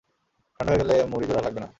ঠান্ডা হয়ে গেলে মুড়ি জোড়া লাগবে না।